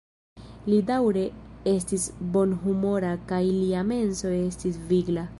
Li daŭre estis bonhumora kaj lia menso estis vigla.